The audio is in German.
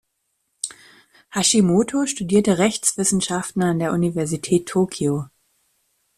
Hashimoto studierte Rechtswissenschaften an der Universität Tokio.